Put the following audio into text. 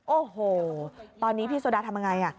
โอ้โหตอนนี้พี่โซดาทำไง